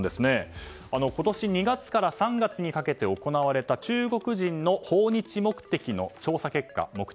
今年２月から３月にかけて行われた中国人の訪日目的の調査結果。